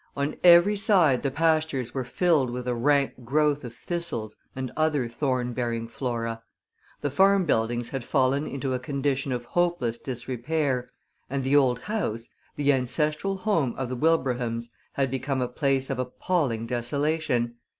On every side the pastures were filled with a rank growth of thistles and other thorn bearing flora. The farm buildings had fallen into a condition of hopeless disrepair, and the old house, the ancestral home of the Wilbrahams, had become a place of appalling desolation.